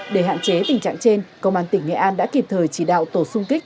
để hạn chế tình trạng trên công an tỉnh nghệ an đã kịp thời chỉ đạo tổ sung kích